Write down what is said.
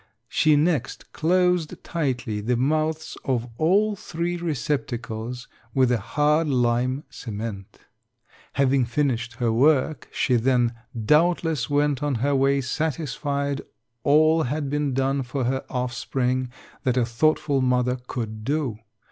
She next closed tightly the mouths of all three receptacles with a hard lime cement. Having finished her work, she then doubtless went on her way, satisfied all had been done for her offspring that a thoughtful mother could do.